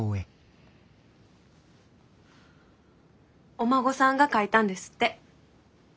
お孫さんが描いたんですって。